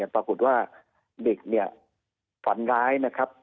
ปรากฏว่าเด็กเนี่ยฝันร้ายนะครับ